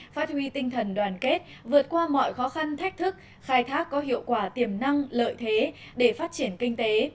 phát huy tinh thần đoàn kết vượt qua mọi khó khăn thách thức khai thác có hiệu quả tiềm năng lợi thế để phát triển kinh tế